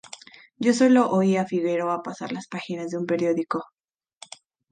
Yo solo oía a Figueroa pasar las páginas de un periódico.